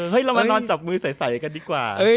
เรามานอนจับมือใสกันดีกว่า